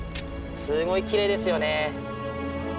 すごいきれいですよね。